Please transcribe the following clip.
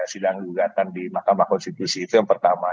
sidang gugatan di mahkamah konstitusi itu yang pertama